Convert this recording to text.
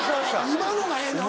今のがええねん